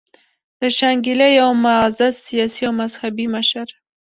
د شانګلې يو معزز سياسي او مذهبي مشر